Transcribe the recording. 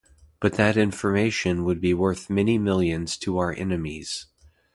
But that information would be worth many millions to our enemies.